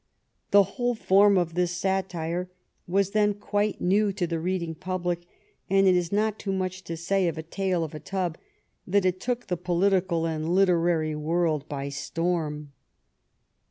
The whole form of this satire was then quite new to the reading public, and it is not too much to say of A Tale of a Tub that it took the political and literary world by storm.